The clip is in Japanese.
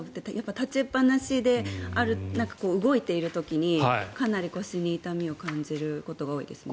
立ちっぱなしで動いている時にかなり腰に痛みを感じることが多いですね。